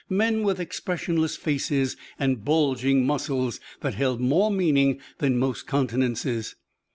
Men with expressionless faces and bulging muscles that held more meaning than most countenances.